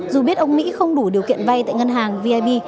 dù biết ông mỹ không đủ điều kiện vai tại ngân hàng vip